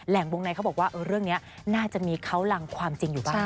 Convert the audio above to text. วงในเขาบอกว่าเรื่องนี้น่าจะมีเขารังความจริงอยู่บ้าง